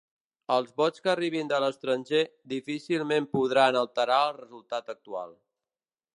Els vots que arribin de l’estranger difícilment podran alterar el resultat actual.